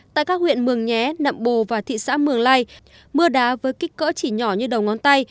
tại các huyện mường nhé nậm bồ và thị xã mường lây mưa đá với kích cỡ chỉ nhỏ như đầu ngón tay